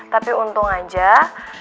tapi untung aja dokter bilang papi boleh pulang